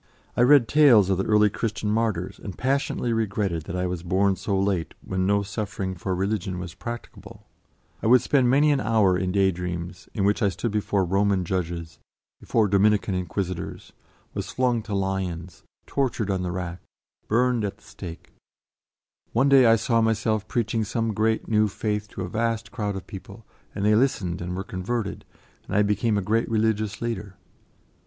I read tales of the early Christian martyrs, and passionately regretted I was born so late when no suffering for religion was practicable; I would spend many an hour in daydreams, in which I stood before Roman judges, before Dominican Inquisitors, was flung to lions, tortured on the rack, burned at the stake; one day I saw myself preaching some great new faith to a vast crowd of people, and they listened and were converted, and I became a great religious leader.